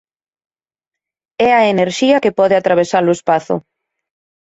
É a enerxía que pode atravesar o espazo.